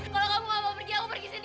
kalau kamu gak mau pergi aku pergi sendiri